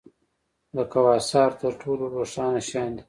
د کواسار تر ټولو روښانه شیان دي.